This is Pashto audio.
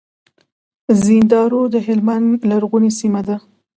زينداور د هلمند لرغونې سيمه ده.